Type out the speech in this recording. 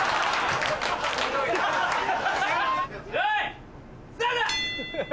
よい！スタート！